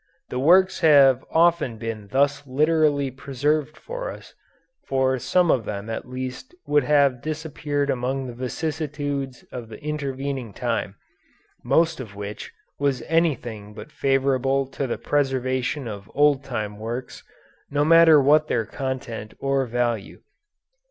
The works have often been thus literally preserved for us, for some of them at least would have disappeared among the vicissitudes of the intervening time, most of which was anything but favorable to the preservation of old time works, no matter what their content or value.